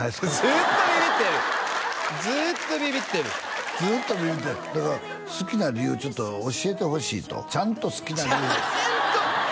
ずっとビビってるずっとビビってるずっとビビってるだから好きな理由ちょっと教えてほしいとちゃんと好きな理由ちゃんと！